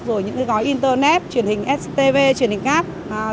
rồi những cái gói internet truyền hình stv truyền hình gác